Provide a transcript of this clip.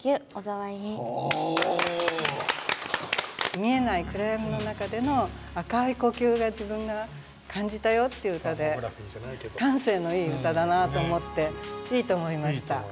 見えない暗闇の中での赤い呼吸が自分が感じたよっていう歌で感性のいい歌だなと思っていいと思いました。